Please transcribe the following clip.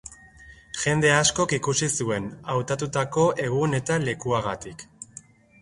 Jende askok ikusi zuen, hautatutako egun eta lekuagatik.